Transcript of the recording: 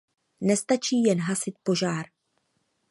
Nestačí jen hasit požár.